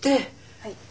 はい。